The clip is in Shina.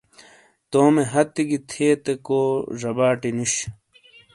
تومے ہتھی گی تھیئتے کو زباٹی نُوش۔